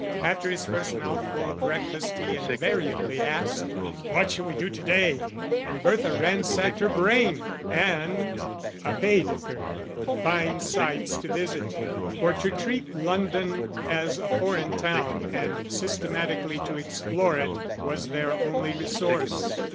After his first mouthful of breakfast he invariably asked, "What shall we do to day?" And Bertha ransacked her brain and a Baedeker to find sights to visit, for to treat London as a foreign town and systematically to explore it was their only resource.